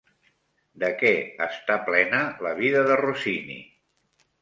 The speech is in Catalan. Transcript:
De què està plena la vida de Rossini?